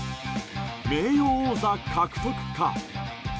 名誉王座獲得か。